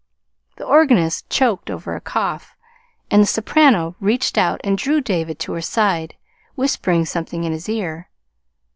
The organist choked over a cough, and the soprano reached out and drew David to her side, whispering something in his ear.